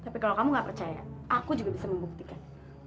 tapi kalau kamu gak percaya aku juga bisa membuktikan